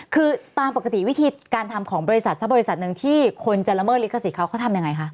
คือตามปกติวิธีการทำของบริษัทสักบริษัทหนึ่งที่คนจะละเมิดลิขสิทธิ์เขาเขาทำยังไงคะ